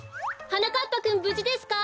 はなかっぱくんぶじですか？